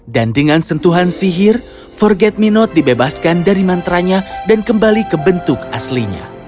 dan dengan sentuhan sihir forget me not dibebaskan dari mantra nya dan kembali ke bentuk aslinya